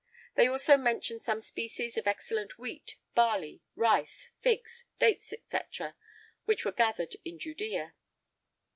They also mention some species of excellent wheat, barley, rice, figs, dates, &c., which were gathered in Judea.